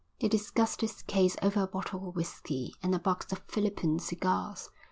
They discussed his case over a bottle of whisky and a box of Philippine cigars.